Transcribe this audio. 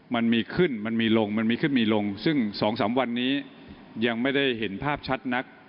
มันมีขึ้นมันมีลงมันมีขึ้นมีลงซึ่ง๒๓วันนี้ยังไม่ได้เห็นภาพชัดนัก